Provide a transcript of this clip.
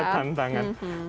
tantangan juga ya